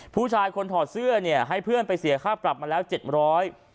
ผู้ชายคนถอดเสื้อเนี่ยให้เพื่อนไปเสียค่าปรับมาแล้วเจ็ดร้อย